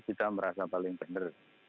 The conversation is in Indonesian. kita merasa paling benar